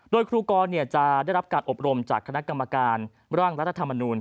โดยครูกรจะได้รับการอบรมจากคณะกรรมการร่างรัฐธรรมนูล